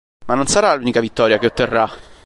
Ma non sarà l'unica vittoria che otterrà.